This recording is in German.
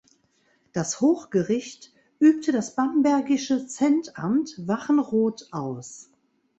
Das Hochgericht übte das bambergische Centamt Wachenroth aus.